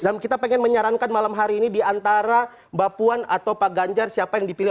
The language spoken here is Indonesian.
dan kita pengen menyarankan malam hari ini diantara mbak puan atau pak ganjar siapa yang dipilih